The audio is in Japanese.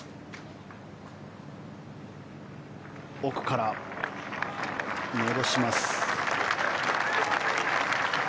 奥から戻します。